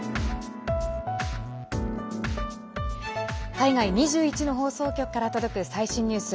海外２１の放送局から届く最新ニュース。